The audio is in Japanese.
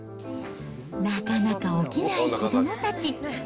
なかなか起きない子どもたち。